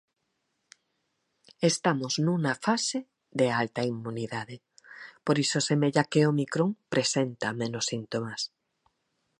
Estamos nunha fase de alta inmunidade, por iso semella que Ómicron presenta menos síntomas.